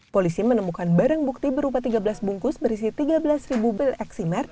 polisi menemukan barang bukti berupa tiga belas bungkus berisi tiga belas bill eksimer